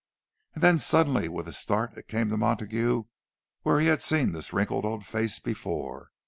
And then suddenly, with a start, it came to Montague where he had seen this wrinkled old face before.